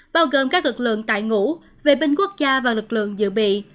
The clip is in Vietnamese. bao gồm các lực lượng tại ngũ vệ binh quốc gia và lực lượng dự bị